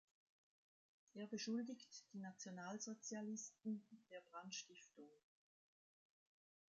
Er beschuldigt die Nationalsozialisten der Brandstiftung.